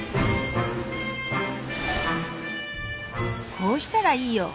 「こうしたらいいよ。